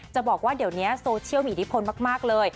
บอกว่าเดี๋ยวนี้โซเชียลมีอิทธิพลมากเลย